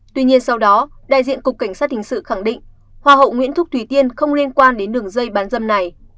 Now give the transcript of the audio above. tuy nhiên sau đó đại diện cục cảnh sát hình sự khẳng định hoa hậu nguyễn thúc thủy tiên không liên quan đến đường dây bán dâm này